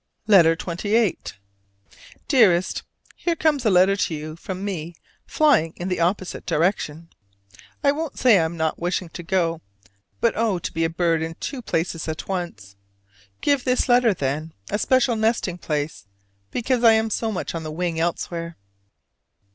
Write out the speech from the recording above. LETTER XXVIII. Dearest: Here comes a letter to you from me flying in the opposite direction. I won't say I am not wishing to go; but oh, to be a bird in two places at once! Give this letter, then, a special nesting place, because I am so much on the wing elsewhere.